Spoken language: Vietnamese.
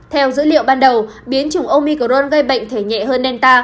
theo dữ liệu ban đầu biến chủng omicron gây bệnh thể nhẹ hơn menta